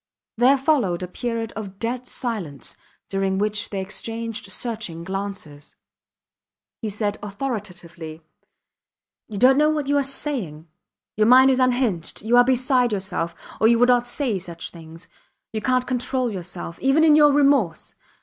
There followed a period of dead silence, during which they exchanged searching glances. He said authoritatively You dont know what you are saying. Your mind is unhinged. You are beside yourself, or you would not say such things. You cant control yourself. Even in your remorse